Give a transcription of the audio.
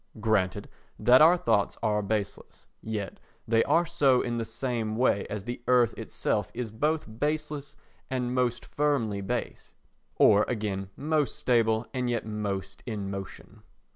Granted that our thoughts are baseless, yet they are so in the same way as the earth itself is both baseless and most firmly based, or again most stable and yet most in motion.